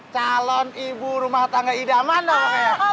salon ibu rumah tangga idaman dong